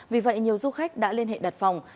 vì vậy nhiều du khách đã liên hệ đặt phòng